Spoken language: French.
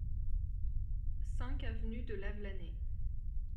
cinq avenue de Lavelanet